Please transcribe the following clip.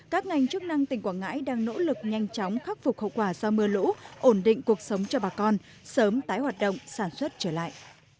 các ngành chức năng tỉnh quảng ngãi đang nỗ lực nhanh chóng khắc phục hậu quả do mưa lũ ổn định cuộc sống cho bà con sớm tái hoạt động sản xuất trở lại